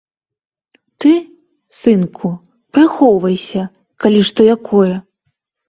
Ты, сынку, прыхоўвайся, калі што якое.